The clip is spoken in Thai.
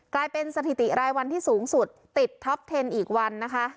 กลายเป็นสถิติรายวันที่สูงสุดติดท็อปเทนอีกวันนะคะ